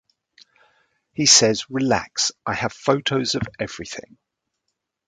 He says, "Relax, I have photos of everything".